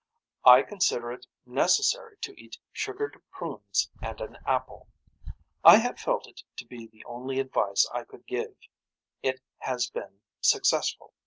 I consider it necessary to eat sugared prunes and an apple. I have felt it to be the only advice I could give. It has been successful.